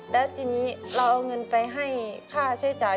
แล้วทีนี้เราเอาเงินไปให้ค่าใช้จ่าย